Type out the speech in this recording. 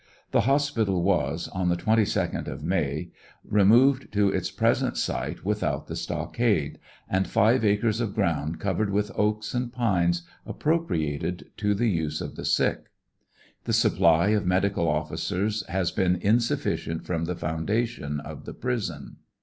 The hospital was, on the 22d of May, removed to its present site without the stockade, and five acres of ground covered with oaks and pines appropriated to the use of the sick. The supply of medical officers has been insufficient from the foun 'dation of the prison.